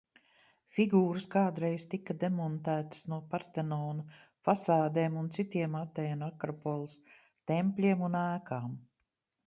Figūras kādreiz tika demontētas no Partenona fasādēm un citiem Atēnu Akropoles tempļiem un ēkām.